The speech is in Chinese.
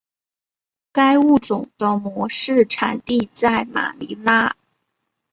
该物种的模式产地在马尼拉。